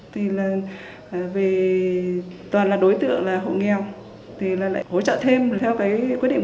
thì là về toàn là đối tượng là hộ nghèo thì lại hỗ trợ thêm theo cái quyết định một trăm sáu mươi bảy